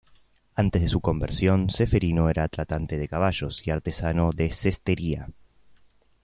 Antes de su conversión, Ceferino era tratante de caballos y artesano de cestería.